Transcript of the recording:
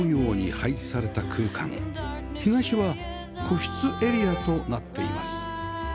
東は個室エリアとなっています